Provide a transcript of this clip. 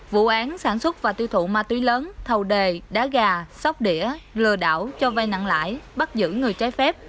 vụ án sản xuất và tiêu thụ ma túy lớn thầu đề đá gà sóc đĩa lừa đảo cho vay nặng lãi bắt giữ người trái phép